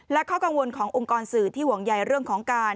และข้อกังวลขององค์กรสื่อที่ห่วงใยเรื่องของการ